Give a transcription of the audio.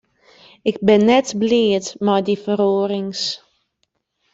Ik bin net bliid mei dy feroarings.